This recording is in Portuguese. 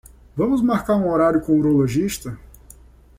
Vamos marcar um horário com o urologista